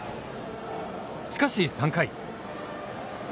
しかし、３回。